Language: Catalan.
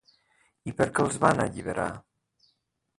I per què els van alliberar?